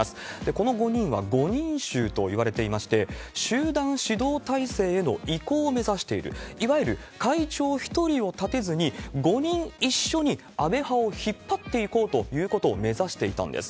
この５人は５人衆といわれていまして、集団指導体制への移行を目指している、いわゆる会長１人を立てずに、５人一緒に安倍派を引っ張っていこうということを目指していたんです。